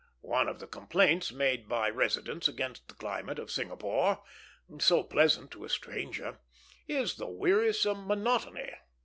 One of the complaints made by residents against the climate of Singapore, so pleasant to a stranger, is the wearisome monotony.